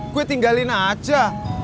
gue tinggalin aja